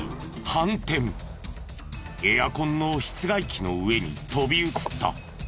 エアコンの室外機の上に飛び移った。